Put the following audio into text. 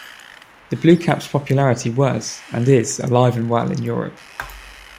The Blue Caps' popularity was, and is, alive and well in Europe.